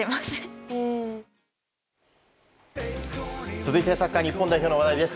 続いてサッカー日本代表の話題です。